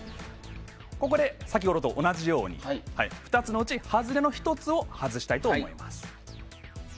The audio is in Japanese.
ここで先ほどと同じように２つの内、外れの１つを外します。